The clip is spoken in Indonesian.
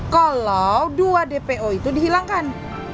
kalau dua dpo itu dihilangkan